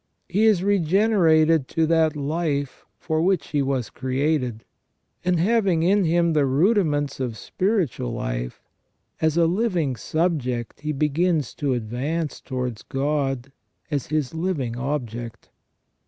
He is regenerated to that life for which he was created, and having in him the rudiments of spiritual life, as a living subject he begins to advance towards God as his living object.